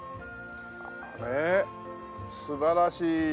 あれ素晴らしい。